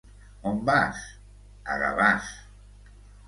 On vas? A Gavàs.